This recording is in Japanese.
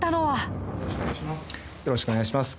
よろしくお願いします。